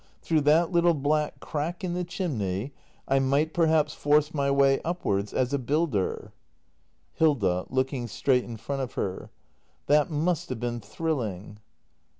] Through that little black crack in the chimney, I might, perhaps, force my way upwards — as a builder. Hilda. [Looking straight in front of her.] That must have been thrilling.